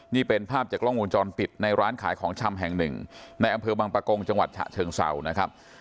นี่เป็นภาพจากกล้องวงจรปิดในร้านขายของชำแห่งหนึ่งในอำเภอบังปะกงจังหวัดฉะเชิงเศร้านะครับ